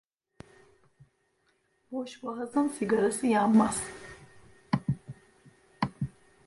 Boşboğazın sigarası yanmaz.